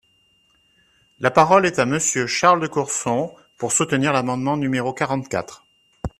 La parole est à Monsieur Charles de Courson, pour soutenir l’amendement numéro quarante-quatre.